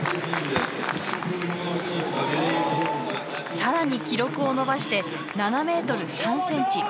更に記録を伸ばして７ｍ３ｃｍ。